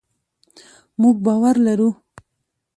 مونږ باور لرو